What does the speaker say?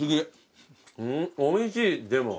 んっおいしいでも。